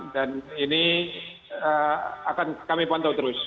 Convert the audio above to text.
dan ini akan kami pantau terus